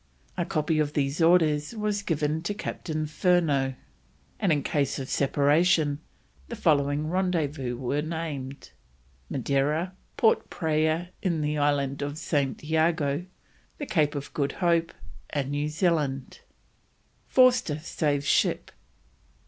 A copy of these orders was given to Captain Furneaux, and in case of separation the following rendezvous were named: Madeira, Port Praya in the island of St. Iago, the Cape of Good Hope, and New Zealand. FORSTER SAVES SHIP!